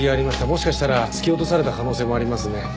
もしかしたら突き落とされた可能性もありますね。